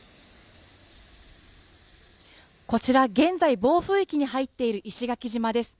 こちら現在暴風域に入っている石垣島です